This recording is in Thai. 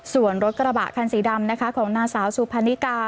ส่วนรถกระบะคันสีดำของหน้าสาวซูภัณฑิกา